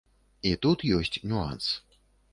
І тут ёсць нюанс.